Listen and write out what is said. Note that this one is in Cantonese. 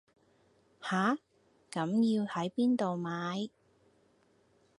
吓,咁要係邊到買